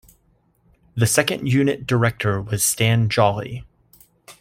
The second unit director was Stan Jolley.